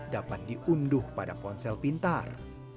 dapat diunduh pada ponsel pintar